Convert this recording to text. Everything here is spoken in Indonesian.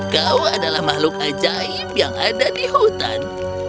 kau adalah makhluk ajaib yang ada di hutan